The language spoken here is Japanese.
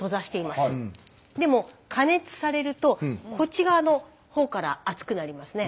でも加熱されるとこっち側のほうから熱くなりますね。